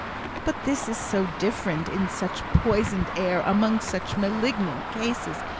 "But this is so different! in such poisoned air! among such malignant cases!